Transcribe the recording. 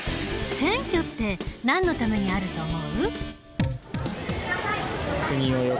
選挙ってなんのためにあると思う？